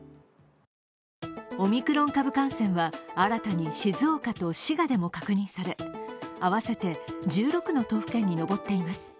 オミクロン株感染は新たに静岡と滋賀でも確認され、合わせて１６の都府県に上っています。